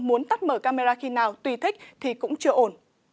muốn tắt mở camera khi nào tùy thích thì cũng chưa ổn